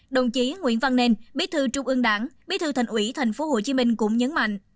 đồng chí nguyễn văn nên bí thư trung ương đảng bí thư thành ủy thành phố hồ chí minh cũng nhấn mạnh